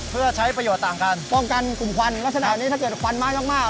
เพื่อใช้ประโยชน์ต่างกันป้องกันกลุ่มควันลักษณะนี้ถ้าเกิดควันมากมาก